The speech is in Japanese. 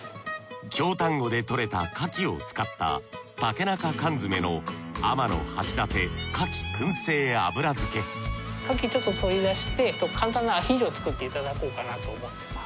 京丹後で採れたかきを使ったかきちょっと取り出して簡単なアヒージョを作っていただこうかなと思ってます。